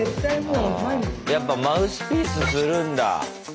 やっぱマウスピースするんだ。